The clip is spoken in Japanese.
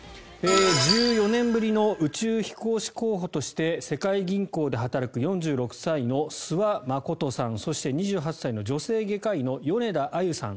１４年ぶりの宇宙飛行士候補として世界銀行で働く４６歳の諏訪理さんそして、２８歳の女性外科医の米田あゆさん